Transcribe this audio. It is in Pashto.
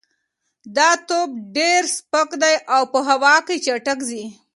دا توپ ډېر سپک دی او په هوا کې چټک ځي.